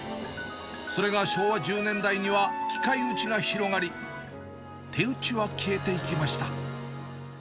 それが昭和１０年代には機械打ちが広がり、手打ちは消えていきました。